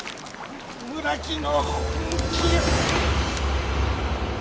村木の本気を。